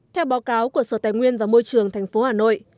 theo báo cáo của sở tài nguyên và môi trường tp hà nội